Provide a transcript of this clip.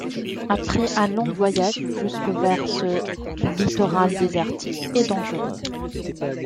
Après un long voyage jusque vers ce littoral désertique et dangereux.